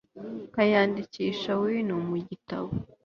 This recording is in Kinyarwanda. nkayandikisha wino mu gitabo